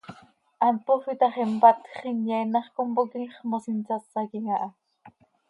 Hant pofii ta x, impatj x, inyeen hax compooquim x, mos insásaquim aha.